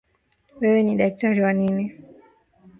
Wewe ni daktari wa nini?